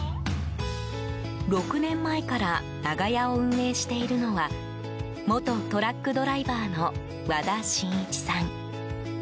６年前から、ながやを運営しているのは元トラックドライバーの和田信一さん。